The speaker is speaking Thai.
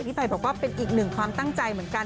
ภัยบอกว่าเป็นอีกหนึ่งความตั้งใจเหมือนกัน